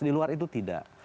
di luar itu tidak